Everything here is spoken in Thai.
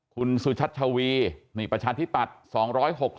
คุณสุชัชวีนี่ประชาธิปัตย์